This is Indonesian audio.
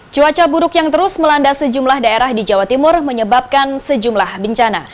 cuaca buruk yang terus melanda sejumlah daerah di jawa timur menyebabkan sejumlah bencana